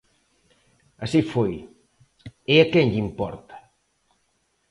Así foi, ¡e a quen lle importa!